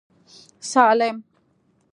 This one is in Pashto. سالم.